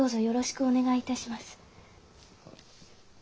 よろしくお願いします。